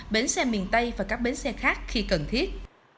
bến xe miền tây và các bến xe khác khi cần thiết